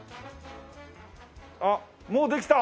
あっもうできた？